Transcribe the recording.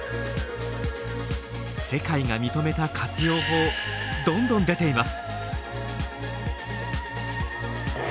世界が認めた活用法どんどん出ています。